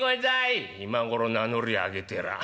「今頃名乗り上げてらあ。